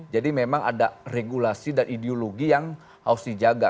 jadi memang ada regulasi dan ideologi yang harus dijaga